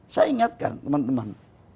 saya ingatkan teman teman